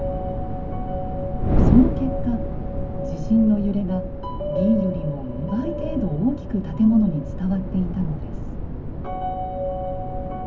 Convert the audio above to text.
その結果、地震の揺れがＢよりも２倍程度、大きく建物に伝わっていたのです。